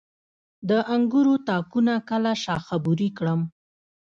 د انګورو تاکونه کله شاخه بري کړم؟